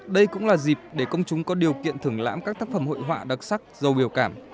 đây cũng là dịp để công chúng có điều kiện thưởng lãm các tác phẩm hội họa đặc sắc dầu biểu cảm